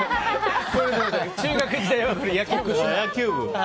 中学時代は野球部でした。